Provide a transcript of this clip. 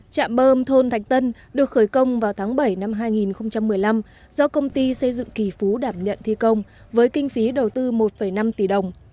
chạm bơm thôn thạch tân được khởi công vào tháng bảy năm hai nghìn một mươi năm do công ty xây dựng kỳ phú đảm nhận thi công với kinh phí đầu tư một năm tỷ đồng